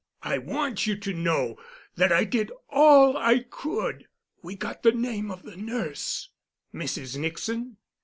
I want you to know that I did all I could. We got the name of the nurse." "Mrs. Nixon?"